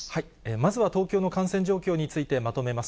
まずは東京の感染状況についてまとめます。